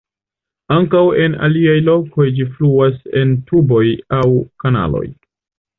Ankaŭ en la aliaj lokoj ĝi fluas en tuboj aŭ kanaloj.